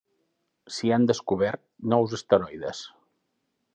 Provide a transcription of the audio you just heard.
S'hi han descobert nou asteroides.